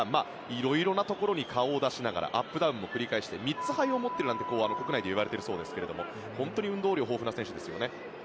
いろいろなところに顔を出しながらアップダウンも繰り返して３つ肺を持っているなんて国内では言われているそうですが本当に運動量豊富な選手ですね。